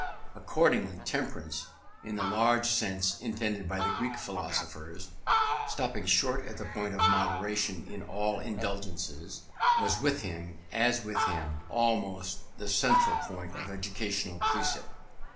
Accordingly, temperance, in the large sense intended by the Greek philosophers stopping short at the point of moderation in all indulgences was with him, as with them, almost the central point of educational precept.